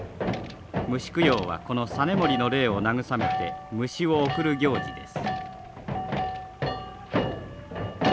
虫供養はこの実盛の霊を慰めて虫を送る行事です。